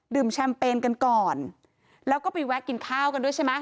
แชมเปญกันก่อนแล้วก็ไปแวะกินข้าวกันด้วยใช่ไหม